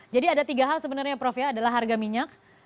jadi ada tiga hal sebenarnya prof ya adalah harga minyak